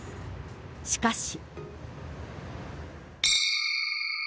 しかし。